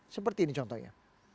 seperti ini contohnya